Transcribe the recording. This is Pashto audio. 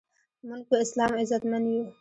مونږ په اسلام عزتمند یو